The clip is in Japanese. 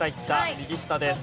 右下です。